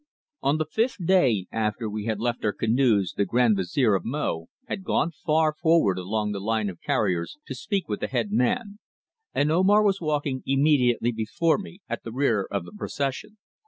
ON the fifth day after we had left our canoes the Grand Vizier of Mo had gone far forward along the line of carriers to speak with the head man, and Omar was walking immediately before me at the rear of the procession.